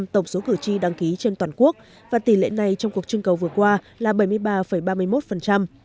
tổng số cử tri đăng ký trên toàn quốc và tỷ lệ này trong cuộc trưng cầu vừa qua là bảy mươi ba ba mươi một